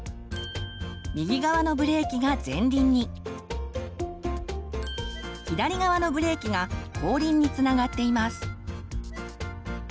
右側のブレーキが前輪に左側のブレーキが後輪につながっています。